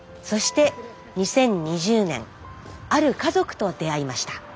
そして２０２０年ある家族と出会いました。